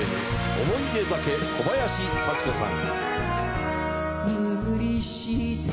『おもいで酒』小林幸子さん。